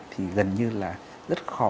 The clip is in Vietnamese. thì gần như là rất khó